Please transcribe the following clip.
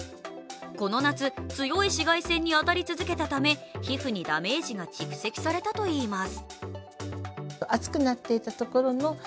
この夏、強い紫外線に当たり続けたため皮膚にダメージが蓄積されたといいます。